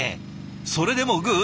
それでもグー！